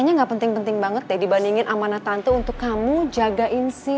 kayaknya gak penting penting banget deh dibandingin amanah tante untuk kamu jagain si